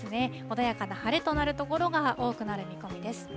穏やかな晴れとなる所が多くなる見込みです。